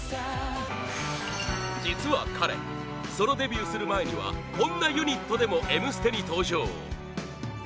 実は彼ソロデビューする前にはこんなユニットでも「Ｍステ」に登場！